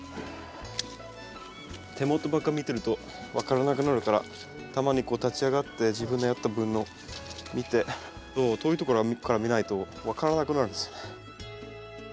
手元ばっか見てると分からなくなるからたまにこう立ち上がって自分のやった分のを見て遠い所から見ないと分からなくなるんですよね。